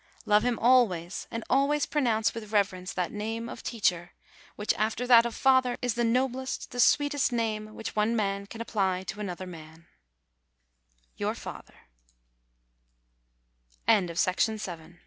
Love him always. And always pronounce with reverence that name of "teacher," which, after that of "father," is the noblest, the sweetest name which one man can apply to another man. YOUR FATHER.